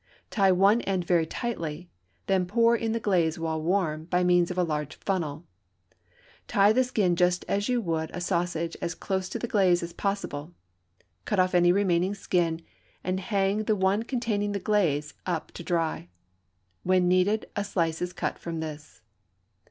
Tie one end very tightly, then pour in the glaze while warm by means of a large funnel. Tie the skin just as you would sausage as close to the glaze as possible, cut off any remaining skin, and hang the one containing the glaze up to dry. When needed, a slice is cut from this.